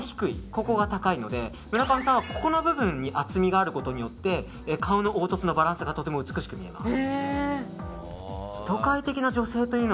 村上さんはここの部分に厚みがあることによって顔の凹凸のバランスがとても美しく見えます。